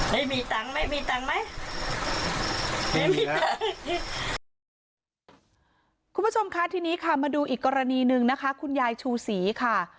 คุณผู้ชมค่ะทีนี้ค่ะมาดูอีกกรณีหนึ่งนะคะคุณยายชู่สีค่ะ